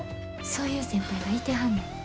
そういう先輩がいてはんねん。